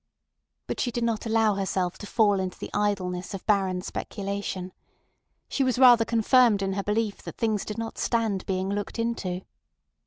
But she did not allow herself to fall into the idleness of barren speculation. She was rather confirmed in her belief that things did not stand being looked into.